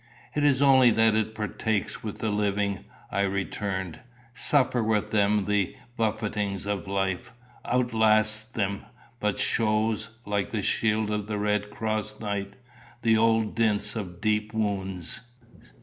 "It is only that it partakes with the living," I returned; "suffers with them the buffetings of life, outlasts them, but shows, like the shield of the Red Cross Knight, the 'old dints of deep wounds.